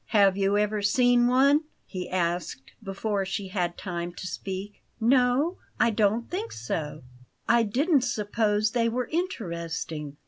"Have you ever seen one?" he asked before she had time to speak. "No; I don't think so. I didn't suppose they were interesting."